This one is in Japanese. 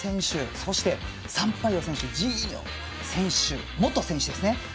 そしてサンパイオ選手ジーニョ選手、元選手ですね。